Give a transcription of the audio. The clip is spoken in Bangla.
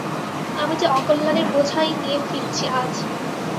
আমি যে অকল্যাণের বোঝাই নিয়ে ফিরছি আজ।